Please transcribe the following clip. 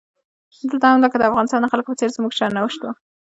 دلته هم لکه د افغانستان د خلکو په څیر زموږ سرنوشت و.